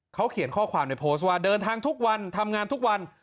เขาเขียนข้อความในโพสต์ว่าเดินทางทุกวันทำงานทุกวัน